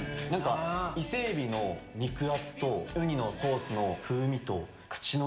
伊勢海老の肉厚とウニのソースの風味と。